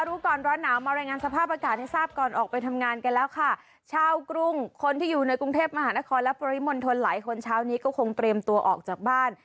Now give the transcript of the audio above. รู้ก่อนร้อนหนาวมารายงานสภาพอากาศให้ทราบก่อนออกไปทำงานกันแล้วค่ะชาวกรุงคนที่อยู่ในกรุงเทพมหานครและปริมณฑลหลายคนเช้านี้ก็คงเตรียมตัวออกจากบ้าน